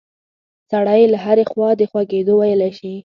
سړی یې له هرې خوا د خوږېدو ویلی شي.